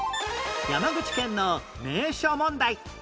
山口県の名所問題